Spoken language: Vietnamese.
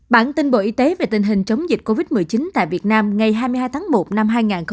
bản tin bộ y tế về tình hình chống dịch covid một mươi chín tại việt nam ngày hai mươi hai tháng một năm hai nghìn hai mươi